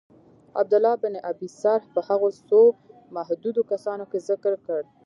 عبدالله بن ابی سرح په هغو څو محدودو کسانو کي ذکر کړ.